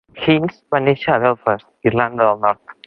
Hinds va néixer a Belfast, Irlanda del Nord.